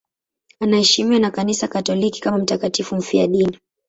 Anaheshimiwa na Kanisa Katoliki kama mtakatifu mfiadini.